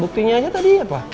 buktinya aja tadi ya pak